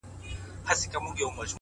خپل فکرونه د موخې خدمت ته ودرول’